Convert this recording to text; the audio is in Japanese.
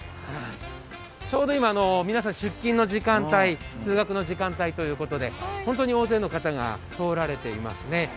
ちょうど今、出勤・通学の時間帯ということで本当に大勢の方が通られていますね。